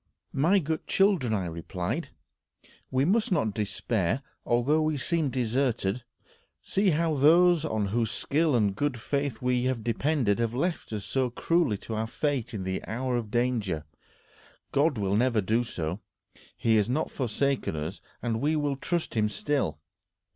"My good children," I replied, "we must not despair, although we seem deserted. See how those on whose skill and good faith we depended have left us cruelly to our fate in the hour of danger. God will never do so. He has not forsaken us, and we will trust him still.